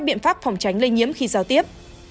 biện pháp phòng tránh lây nhiễm khi giao tiếp